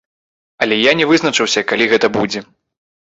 Але я не вызначаўся, калі гэта будзе.